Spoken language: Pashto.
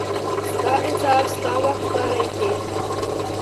ستا انصاف، ستا واکدارۍ کې،